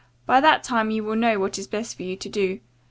By that time you will know what is best for you to do.